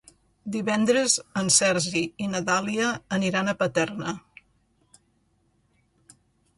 Divendres en Sergi i na Dàlia aniran a Paterna.